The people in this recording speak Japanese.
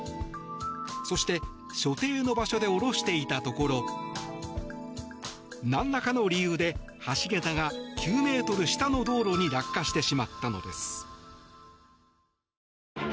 そして、所定の場所で下ろしていたところなんらかの理由で橋桁が９ｍ下の道路に落下してしまったのです。